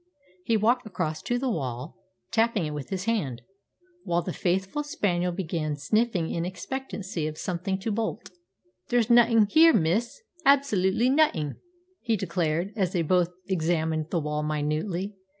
He walked across to the wall, tapping it with his hand, while the faithful spaniel began sniffing in expectancy of something to bolt. "There's naething here, miss absolutely naething," he declared, as they both examined the wall minutely.